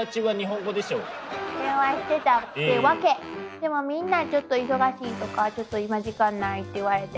でもみんなちょっと忙しいとかちょっと今時間ないって言われて。